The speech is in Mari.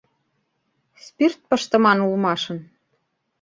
Спирт пыштыман улмашын.